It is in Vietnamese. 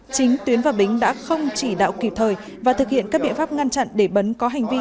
chính tuyến và bính đã không chỉ đạo kịp thời và thực hiện các biện pháp ngăn chặn để bấn có hành vi